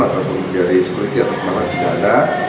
atau mencari seperti apa apa